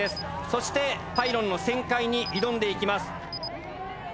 そしてパイロンの旋回に挑んでいきます。